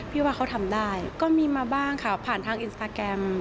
ว่าเขาทำได้ก็มีมาบ้างค่ะผ่านทางอินสตาแกรม